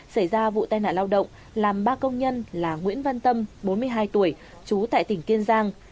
xảy ra vụ tai nạn lao động làm ba công nhân là nguyễn văn tâm bốn mươi hai tuổi trú tại tỉnh kiên giang